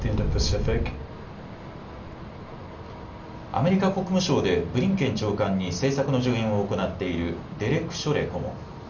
アメリカ国務省でブリンケン長官に政策の助言を行っているデレク・ショレ顧問。